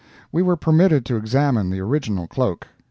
We were permitted to examine the original cloak.